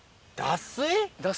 脱水？